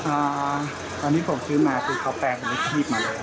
อาตอนนี้ผมซื้อมาคือเขาแปลงรถขีบมาเลย